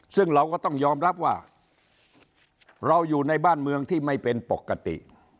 ซึ่งเราก็ต้องยอมรับว่าเราอยู่ในบ้านเมืองที่ไม่เป็นปกติ